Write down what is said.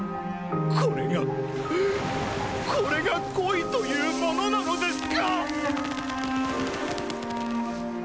これがこれが恋というものなのですか！？